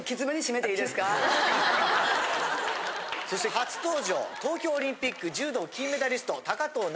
そして初登場東京オリンピック柔道金メダリスト藤